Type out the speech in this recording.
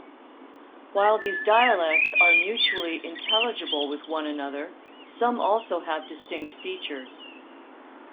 While these dialects are mutually intelligible with one another, some also have distinct features.